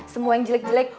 semua yang jelek jelek